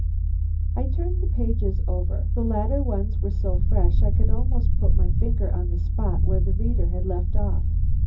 I turned the pages over. The latter ones were so fresh I could almost put my finger on the spot where the reader had left off.